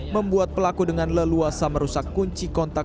membuat pelaku dengan leluasa merusak kunci kontak